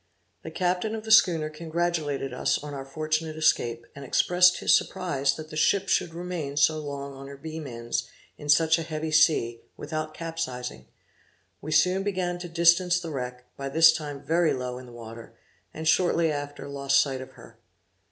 The captain of the schooner congratulated us on our fortunate escape, and expressed his surprise that the ship should remain so long on her beam ends, in such a heavy sea, without capsizing. We soon began to distance the wreck, by this time very low in the water, and shortly after lost sight of her.